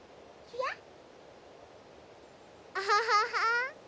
アハハハ。